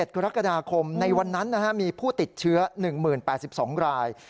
๑๗กรกฎาคมในวันนั้นนะฮะมีผู้ติดเชื้อ๑หมื่น๘๒ราย